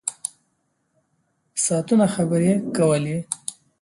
ساعتونه خبرې کولې.